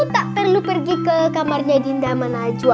tak perlu pergi ke kamarnya dinda sama najwa